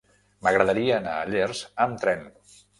M'agradaria anar a Llers amb tren.